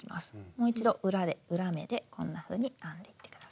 もう一度裏目でこんなふうに編んでいって下さい。